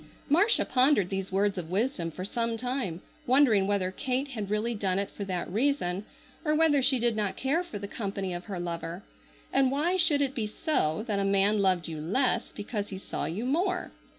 Marcia pondered these words of wisdom for some time, wondering whether Kate had really done it for that reason, or whether she did not care for the company of her lover. And why should it be so that a man loved you less because he saw you more?